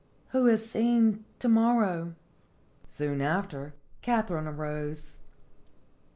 'Who has seen to morrow?'" Soon after, Katharine rose.